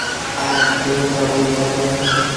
آیا د تیلو تولید به زیات نشي؟